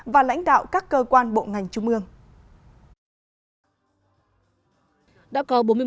và lãnh đạo các cơ quan bộ ngành trung ương